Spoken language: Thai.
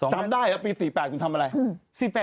ทำได้อะปี๔๘คุณทำอะไรฮืม